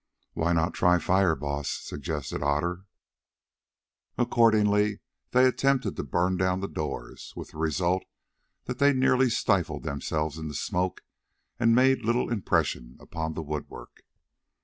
"Why not try fire, Baas?" suggested Otter. Accordingly they attempted to burn down the doors, with the result that they nearly stifled themselves in the smoke and made but little impression upon the woodwork.